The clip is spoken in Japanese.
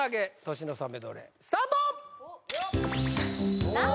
年の差メドレースタートさあ